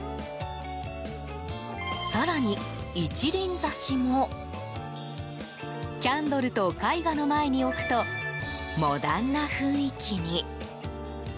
更に、一輪挿しもキャンドルと絵画の前に置くとモダンな雰囲気に。